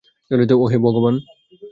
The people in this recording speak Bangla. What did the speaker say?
ওহ, হে ভগবান।